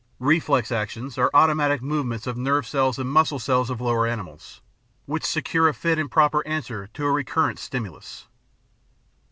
Reflex actions are automatic movements of nerve cells and muscle cells of lower animals, which secure a fit and proper answer to a recurrent stimulus.